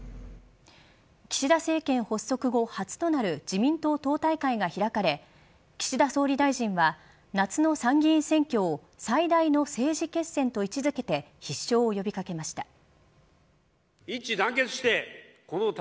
岸田政権発足後、初となる自民党党大会が開かれ岸田総理大臣は夏の参議院選挙を最大の政治決戦と位置付けて必勝を呼び掛けました。